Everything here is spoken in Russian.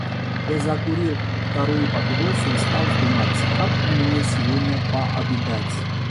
Я закурил вторую папиросу и стал думать, как бы мне сегодня пообедать.